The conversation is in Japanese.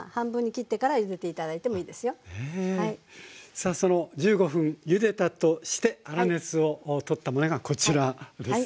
さあその１５分ゆでたとして粗熱を取ったものがこちらですね。